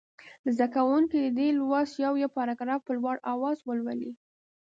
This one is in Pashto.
زده کوونکي دې د لوست یو یو پاراګراف په لوړ اواز ولولي.